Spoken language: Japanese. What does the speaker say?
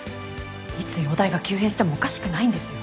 いつ容体が急変してもおかしくないんですよ。